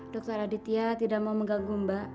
dokter aditya tidak mau mengganggu mbak